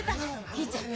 銀ちゃん。